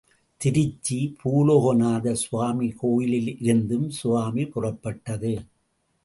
திருச்சி, பூலோகநாதர் சுவாமி கோவிலிலிருந்தும் சுவாமி புறப்பட்டது.